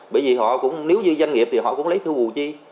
bởi vì họ cũng nếu như doanh nghiệp thì họ cũng lấy thư vụ chi